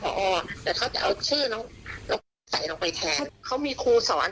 แต่เขาก็จะเอาชื่อน้องไปแทนเขามีครูสอน